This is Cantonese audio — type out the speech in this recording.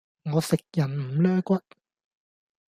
我食人唔 𦧲 骨